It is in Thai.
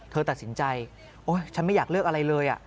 เธอตัดสินใจโอ๊ยฉันไม่อยากเลิกอะไรเลย